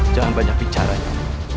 jangan banyak bicara nyanya